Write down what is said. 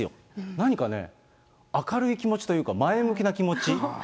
何かね、明るい気持ちというか、前向きな気持ち。